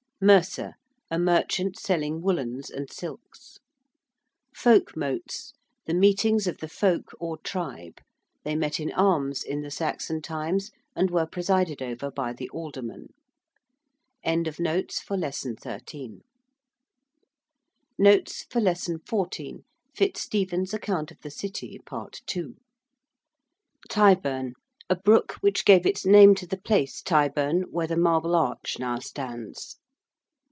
~mercer~: a merchant selling woollens and silks. ~folkmotes~: the meetings of the folk or tribe: they met in arms in the Saxon times, and were presided over by the alderman. 14. FITZSTEPHEN'S ACCOUNT OF THE CITY. PART II. ~Tyburn~: a brook which gave its name to the place Tyburn, where the Marble Arch now stands.